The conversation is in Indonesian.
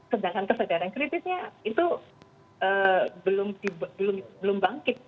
sedangkan kesadaran kritisnya itu belum bangkit